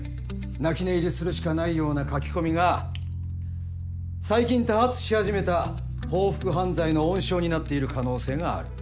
泣き寝入りするしかないような書き込みが最近多発し始めた報復犯罪の温床になっている可能性がある。